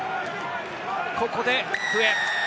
ここで笛。